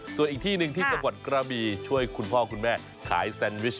ส่วนอีกที่หนึ่งที่จังหวัดกระบีช่วยคุณพ่อคุณแม่ขายแซนวิช